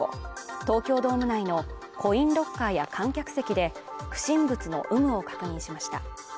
東京ドーム内のコインロッカーや観客席で不審物の有無を確認しました。